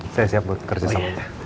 saya siap buat kerjasamanya